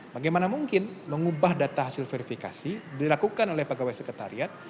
bagaimana mungkin mengubah data hasil verifikasi dilakukan oleh pegawai sekretariat